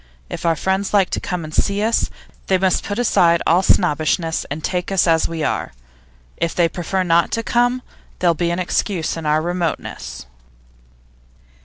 If our friends like to come and see us, they must put aside all snobbishness, and take us as we are. If they prefer not to come, there'll be an excuse in our remoteness.